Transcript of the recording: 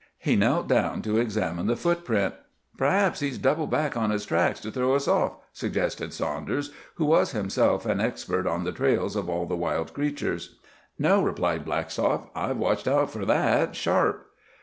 He knelt down to examine the footprint. "P'raps he's doubled back on his tracks, to throw us off," suggested Saunders, who was himself an expert on the trails of all the wild creatures. "No," replied Blackstock, "I've watched out for that sharp."